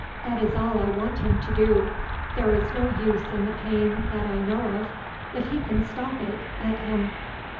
That is all I want him to do. There is no use in the pain, that I know of; if he can stop it, let him."